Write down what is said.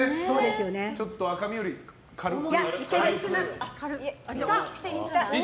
ちょっと赤身より軽く。